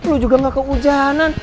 lu juga gak kehujanan